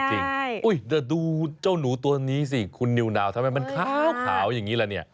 เดี๋ยวดูเจ้าหนูตัวนี้สิคุณนิวนาวทำไมมันขาวอย่างนี้ละเนี่ย